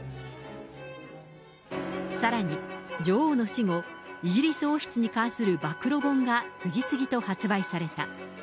さらに女王の死後、イギリス王室に関する暴露本が次々と発売された。